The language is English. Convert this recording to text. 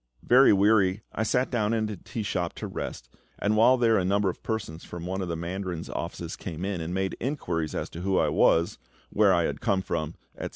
Very weary, I sat down in a tea shop to rest; and while there a number of persons from one of the mandarin's offices came in, and made inquiries as to who I was, where I had come from, etc.